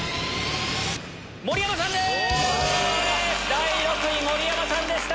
第６位盛山さんでした！